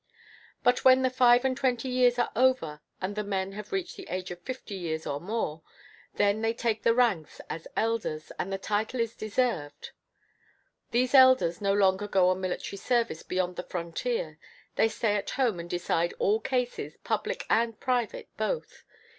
But when the five and twenty years are over and the men have reached the age of fifty years or more, then they take rank as elders, and the title is deserved. These elders no longer go on military service beyond the frontier; they stay at home and decide all cases, public and private both.